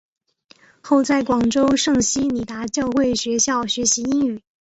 后在广州圣希理达教会学校学习英语。